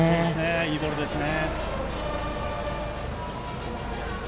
いいボールですね。